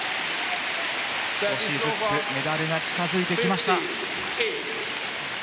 少しずつメダルが近づいてきました。